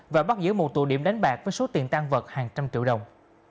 và bắt giữ một tụ điểm đánh bạc với số tiền tan vật hàng trăm triệu đồng